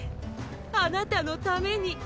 あなたのために！